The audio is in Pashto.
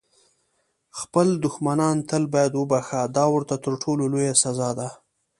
خپل دښمنان تل باید وبخښه، دا ورته تر ټولو لویه سزا ده.